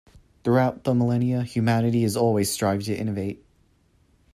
Throughout the millenia, humanity has always strived to innovate.